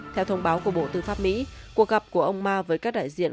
theo thông báo của bộ tư pháp mỹ cuộc gặp của ông ma với các đại diện